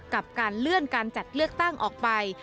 กับการเลื่อนการจัดเลือกตั้งออกไป